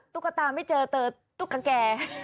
ตุ๊กตาไม่เจอเจอตุ๊กแก่